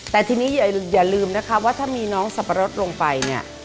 แต่ทีนี้อย่าลืมว่าถ้ามีน้องสับปะรดลงไป